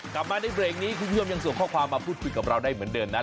กลับมาในเบรกนี้คุณผู้ชมยังส่งข้อความมาพูดคุยกับเราได้เหมือนเดิมนะ